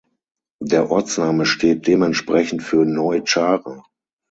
Der Ortsname steht dementsprechend für "Neu-Tschara".